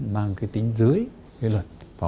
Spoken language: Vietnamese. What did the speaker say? mang tính dưới luật